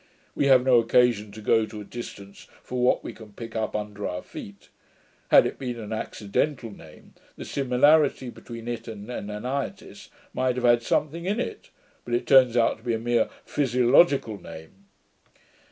We have no occasion to go to a distance for what we can pick up under our feet. Had it been an accidental name, the similarity between it and Anaitis might have had something in it; but it turns out to be a mere physiological name.'